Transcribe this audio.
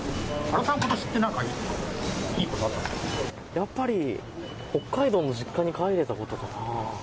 やっぱり北海道の実家に帰れたことかな。